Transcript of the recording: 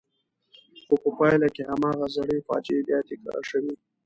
خو په پایله کې هماغه زړې فاجعې بیا تکرار شوې.